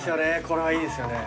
これはいいですよね。